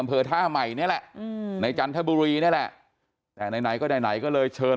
ผมก็ไม่รู้ไม่แน่ใจ